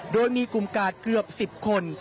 โดยมีกลุ่มกาดเกือบ๑๐คน